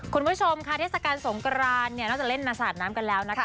คุณผู้ชมค่ะเทศกาลสงกรานเนี่ยนอกจากเล่นนาสาดน้ำกันแล้วนะคะ